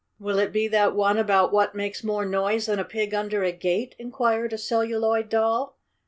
"Will it be that one about what makes more noise than a pig under a gate?" inquired a Celluloid Doll.